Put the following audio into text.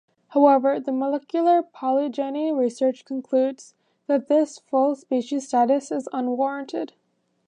However the molecular phylogeny research concludes that this full species status is unwarranted.